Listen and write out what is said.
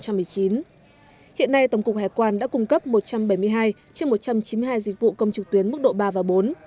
hiện nay tổng cục hải quan đã cung cấp một trăm bảy mươi hai trên một trăm chín mươi hai dịch vụ công trực tuyến mức độ ba và bốn